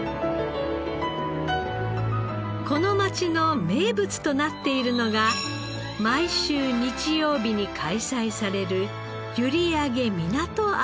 この町の名物となっているのが毎週日曜日に開催されるゆりあげ港朝市です。